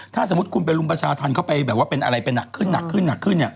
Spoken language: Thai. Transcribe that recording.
ถ้าสมมติคุณเป็นลุงประชาธรรมเข้าไปเป็นอะไรเป็นหนักขึ้นหนักขึ้นหนักขึ้น